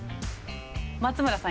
松村さん